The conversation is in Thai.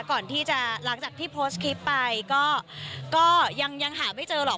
หลังจากที่โพสต์คลิปไปก็ยังหาไม่เจอหรอก